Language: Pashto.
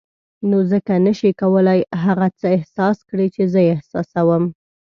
نو ځکه نه شې کولای هغه څه احساس کړې چې زه یې احساسوم.